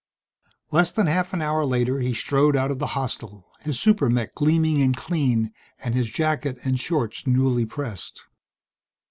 Less than half an hour later he strode out of the hostel, his super mech gleaming and clean and his jacket and shorts newly pressed.